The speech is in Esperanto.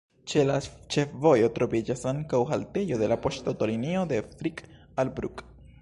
Ĉe la ĉefvojo troviĝas ankaŭ haltejo de la poŝtaŭtolinio de Frick al Brugg.